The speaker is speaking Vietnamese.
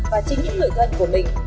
và chính những người thân của mình